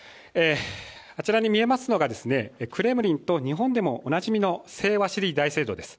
あちらに見えますのがクレムリンと日本でもおなじみの聖ワシリー大聖堂です。